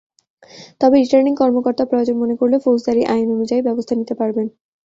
তবে রিটার্নিং কর্মকর্তা প্রয়োজন মনে করলে ফৌজদারি আইন অনুযায়ী ব্যবস্থা নিতে পারবেন।